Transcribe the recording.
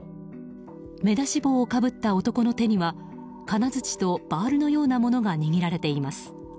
目出し帽をかぶった男の手には金づちとバールのようなものが握られています。